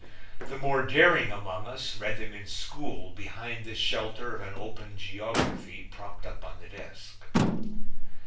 The more daring among us read them in school behind the shelter of an open geography propped up on the desk.